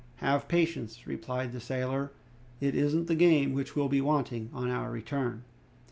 "Have patience," replied the sailor, "it isn't the game which will be wanting on our return."